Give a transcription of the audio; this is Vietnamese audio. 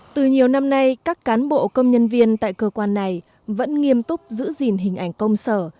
từ nhiều năm nay các cán bộ công nhân viên tại cơ quan này vẫn nghiêm túc giữ gìn hình ảnh công sở